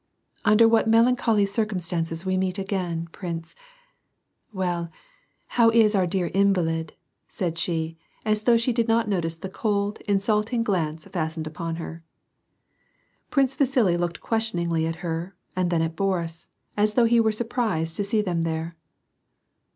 "Under what melancholy circumstances we meet again, prince — well, how is our dear invalid," said she, as though she did not notice the cold, insulting glance fastened upon her. Prince Vasili looked questioningly at her and then at Boris, as though he were surprised to see them there.